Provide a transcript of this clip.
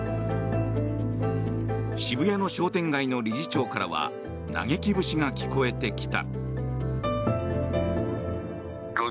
渋谷の商店街の理事長からは嘆き節が聞こえてきた。